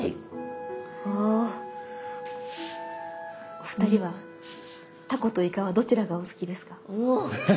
お二人はタコとイカはどちらがお好きですか？